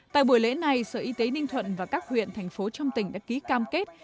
tại buổi lễ này sở y tế ninh thuận và các huyện thành phố trong tỉnh đã ký cam kết